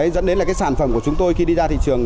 dẫn đến sản phẩm của chúng tôi khi đi ra thị trường